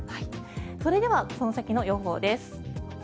それではこの先の予報です。